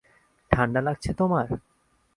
ঠান্ডা লাগছে তোমার?